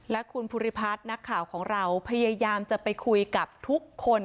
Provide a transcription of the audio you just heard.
และคุณภูริพัฒน์นักข่าวของเราพยายามจะไปคุยกับทุกคน